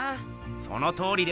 そのとおりです。